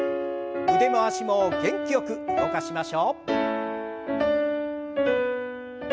腕回しも元気よく動かしましょう。